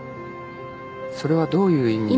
それはどういう意味。